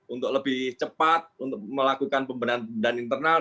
untuk lebih cepat untuk melakukan pembenahan internal